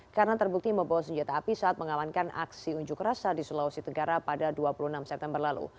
karena terbukti membawa senjata api saat mengawankan aksi unjuk rasa di sulawesi tenggara pada dua puluh enam september lalu